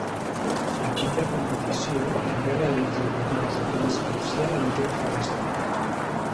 L'equip de competició també realitza rutines a temps parcial en jocs de bàsquet.